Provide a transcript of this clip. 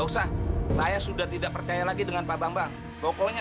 sampai jumpa di video selanjutnya